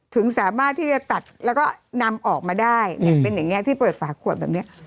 ถึงสามารถที่จะตัดแล้วก็นำออกมาได้เป็นอย่างเงี้ยที่เปิดฝากหัวแบบเนี้ย